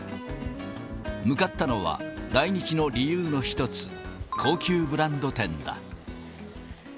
向かったのは、来日の理由の一つ、高級ブランド店だ。